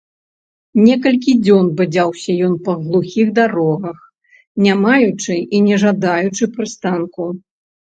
Некалькі дзён бадзяўся ён па глухіх дарогах, не маючы і не жадаючы прыстанку.